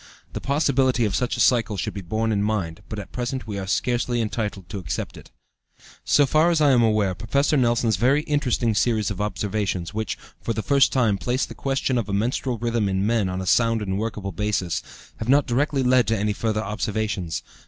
The possibility of such a cycle should be borne in mind, but at present we are scarcely entitled to accept it. So far as I am aware, Professor Nelson's very interesting series of observations, which, for the first time, placed the question of a menstrual rhythm in men on a sound and workable basis, have not directly led to any further observations.